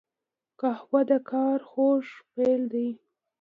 قهوه د کار خوږ پیل دی